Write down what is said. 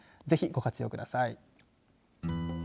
ぜひ、ご活用ください。